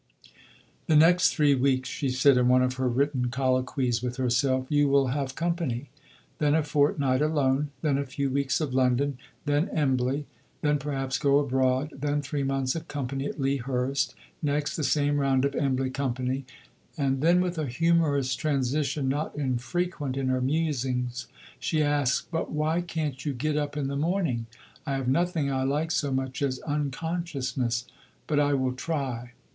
"The next three weeks," she said, in one of her written colloquies with herself, "you will have company; then a fortnight alone; then a few weeks of London, then Embley; then perhaps go abroad; then three months of company at Lea Hurst; next the same round of Embley company." And then, with a humorous transition not infrequent in her musings, she asks, "But why can't you get up in the morning? I have nothing I like so much as unconsciousness, but I will try."